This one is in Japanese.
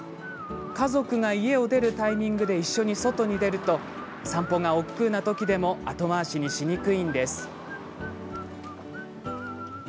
家族が家を出るタイミングで一緒に外に出ると散歩がおっくうな時でも後回しに、しにくいんです。